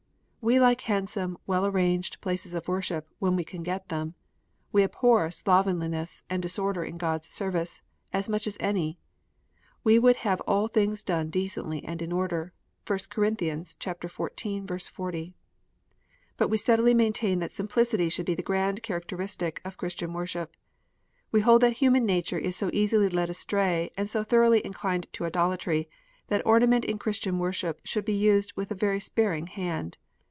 We like handsome, well arranged places of worship, when we can get them. We abhor slovenli ness and disorder in God s service, as much as any. We would have all things done "decently and in order." (1 Cor. xiv. 40.) But we steadily maintain that simplicity should be the grand characteristic of Christian worship. We hold that human nature is so easily led astray, and so thoroughly inclined to idolatry, that ornament in Christian worship should be used with a very sparing hand.